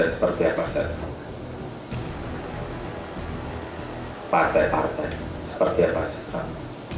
seperti apa sekarang